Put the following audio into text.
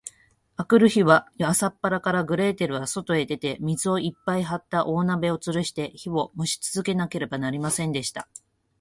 あくる日は、朝っぱらから、グレーテルはそとへ出て、水をいっぱいはった大鍋をつるして、火をもしつけなければなりませんでした。